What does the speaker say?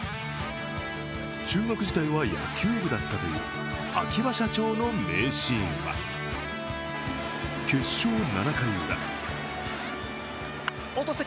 中学時代は野球部だったという秋葉社長の名シーンは決勝７回ウラ。